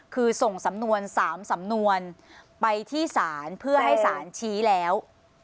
คือส่งสำนวน๓สำนวนไปที่ศาลเพื่อให้สารชี้แล้ว